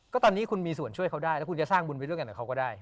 ก็ตอนนี้คุณมีส่วนช่วยเขาได้แล้วคุณจะสร้างบุญไปด้วยกันกับเขาก็ได้